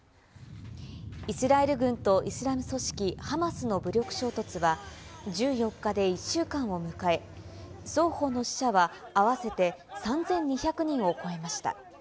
イスラエル軍とイスラム組織ハマスの武力衝突は１４日で１週間を迎え、双方の死者は合わせて３２００人を超えました。